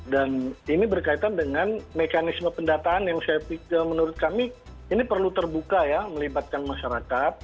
dan ini berkaitan dengan mekanisme pendataan yang saya pikir menurut kami ini perlu terbuka ya melibatkan masyarakat